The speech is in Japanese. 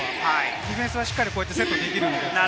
ディフェンスはしっかりセットできるので。